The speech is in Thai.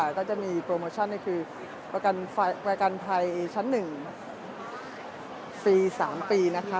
แล้วก็จะมีโปรโมชั่นนี่คือรักษณ์ภัยชั้นหนึ่งฟรีสามปีนะคะ